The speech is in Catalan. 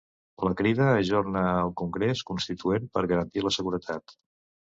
La Crida ajorna el congrés constituent per garantir la seguretat